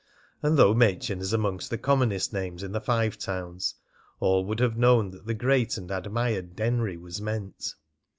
And though Machin is amongst the commonest names in the Five Towns, all would have known that the great and admired Denry was meant.